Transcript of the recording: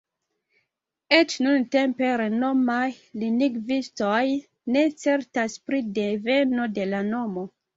Eĉ nuntempe renomaj lingvistoj ne certas pri deveno de la nomo.